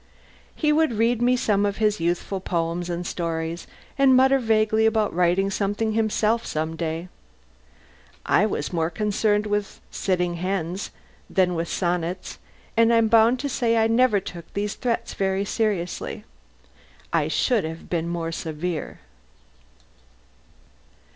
He would read me some of his youthful poems and stories and mutter vaguely about writing something himself some day. I was more concerned with sitting hens than with sonnets and I'm bound to say I never took these threats very seriously. I should have been more severe.